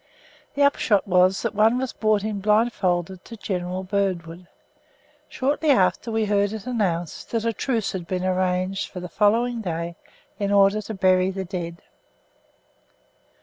The upshot was that one was brought in blindfolded to General Birdwood. Shortly after we heard it announced that a truce had been arranged for the following day in order to bury the dead.